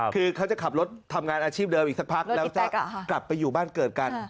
คือเขาจะขับรถทำงานอาชีพเดิมอีกสักพักแล้วจะกลับไปอยู่บ้านเกิดกัน